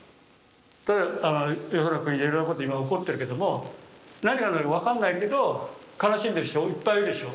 世の中いろいろなこと今起こってるけども何が何だか分かんないけど悲しんでる人いっぱいいるでしょ。